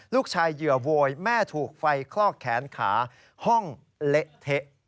เหยื่อโวยแม่ถูกไฟคลอกแขนขาห้องเละเทะ